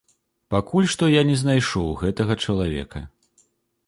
Пакуль што я не знайшоў гэтага чалавека.